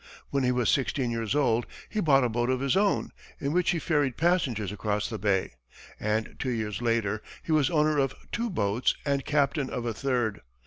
When he was sixteen years old, he bought a boat of his own, in which he ferried passengers across the bay, and two years later he was owner of two boats and captain of a third.